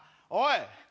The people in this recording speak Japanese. おい！